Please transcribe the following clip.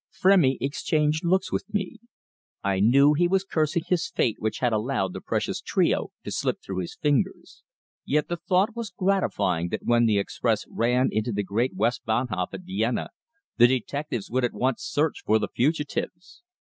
Frémy exchanged looks with me. I knew he was cursing his fate which had allowed the precious trio to slip through his fingers. Yet the thought was gratifying that when the express ran into the Great Westbahnhof at Vienna, the detectives would at once search it for the fugitives.